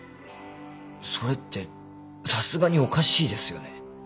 それってさすがにおかしいですよね？